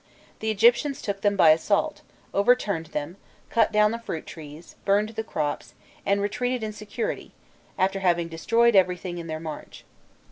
The Egyptians took them by assault, overturned them, cut down the fruit trees, burned the crops, and retreated in security, after having destroyed everything in their march.